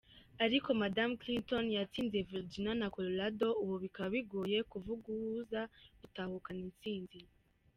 Ariko madame Clintion yatsinze Virginia na Colorado, ubu bikaba bigoye kuvuga uwuza gutahukana intsinzi.